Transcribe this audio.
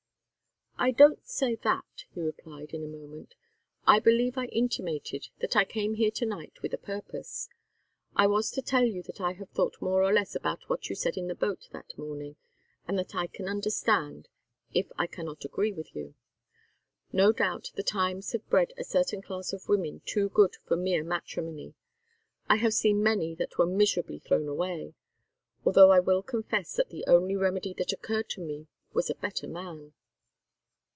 "I don't say that," he replied, in a moment. "I believe I intimated that I came here to night with a purpose. It was to tell you that I have thought more or less about what you said in the boat that morning, and that I can understand, if I cannot agree with you. No doubt the times have bred a certain class of women too good for mere matrimony. I have seen many that were miserably thrown away; although I will confess that the only remedy that occurred to me was a better man.